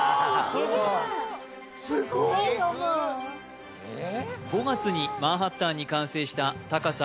そこまで読む５月にマンハッタンに完成した高さ